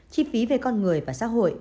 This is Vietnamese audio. chi phí về con người và xã hội